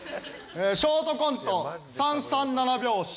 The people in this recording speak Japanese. ショートコント「三三七拍子」。